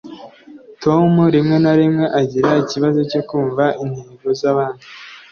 tom rimwe na rimwe agira ikibazo cyo kumva intego zabandi